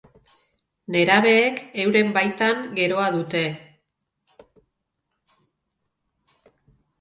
Nerabeek euren baitan geroa dute.